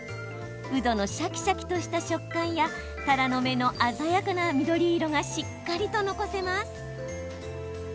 うどのシャキシャキとした食感やたらの芽の鮮やかな緑色がしっかりと残せます。